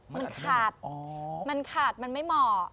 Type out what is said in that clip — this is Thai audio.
มันขาดมันขาดมันไม่เหมาะ